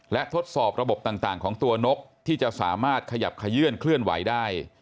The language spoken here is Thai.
และทดสอบระบบต่างของตัวนกที่จะสามารถขยับขยื่นเคลื่อนไหวได้